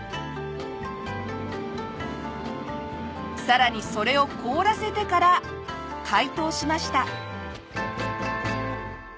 さらにそれを凍らせてから解凍しました。